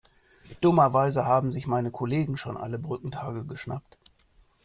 Dummerweise haben sich meine Kollegen schon alle Brückentage geschnappt.